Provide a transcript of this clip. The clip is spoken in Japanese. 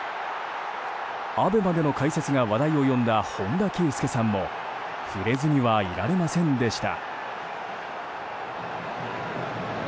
ＡＢＥＭＡでの解説が話題を呼んだ本田圭佑さんも触れずにはいられませんでした。